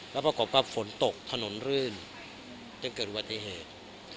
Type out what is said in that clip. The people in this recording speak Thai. แล้วปรากฏว่าฝนตกถนนรื่นจึงเกิดอุบัติเหตุ